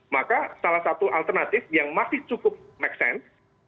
maka salah satu alternatif yang masih cukup make sense